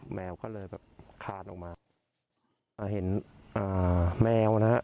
แมวก็เลยแบบคาดออกมาอ่าเห็นอ่าแมวนะฮะ